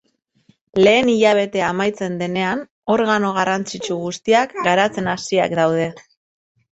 Lehen hilabetea amaitzen denean, organo garrantzitsu guztiak garatzen hasiak daude.